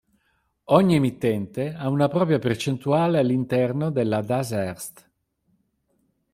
Ogni emittente ha una propria percentuale all'interno della Das Erste.